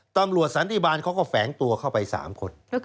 สันติบาลเขาก็แฝงตัวเข้าไป๓คน